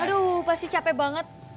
aduh pasti capek banget